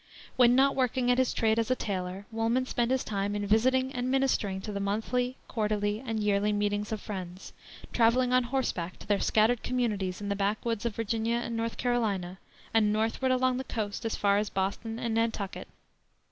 When not working at his trade as a tailor, Woolman spent his time in visiting and ministering to the monthly, quarterly, and yearly meetings of Friends, traveling on horseback to their scattered communities in the backwoods of Virginia and North Carolina, and northward along the coast as far as Boston and Nantucket.